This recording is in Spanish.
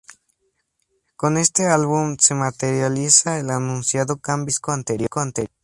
Con este álbum se materializa el anunciado cambio del disco anterior.